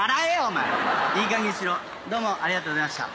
いいかげんにしろどうもありがとうございました。